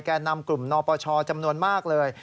นำกลุ่มนปชจำนวนมากเลย